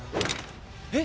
えっ？